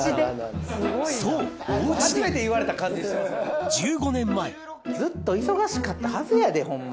そうおうちでずっと忙しかったはずやでホンマ。